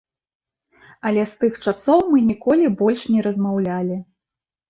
Але з тых часоў мы ніколі больш не размаўлялі.